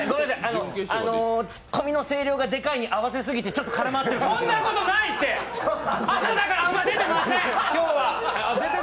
ツッコミの声量がでかいに合わせて、ちょっとから回ってるそんなことないって、朝だからあんまり出てません。